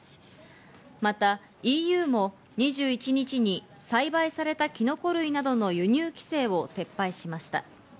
またＥＵも２１日に栽培されたきのこ類などの輸入規制を撤廃しました。